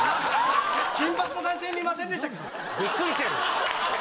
金髪の男性見ませんでしたか？